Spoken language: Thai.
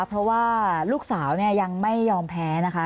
เพราะว่าลูกสาวยังไม่ยอมแพ้นะคะ